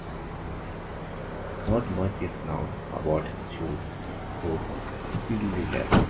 Not much is known about Choe Woo's early life.